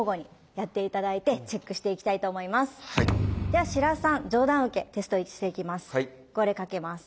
では白洲さん上段受けテストしていきます。